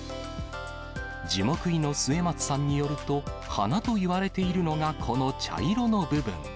樹木医の末松さんによると、花といわれているのがこの茶色の部分。